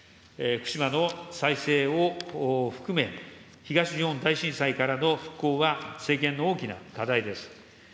福島の再生を含め、東日本大震災からの復興は政権の大きな課題です。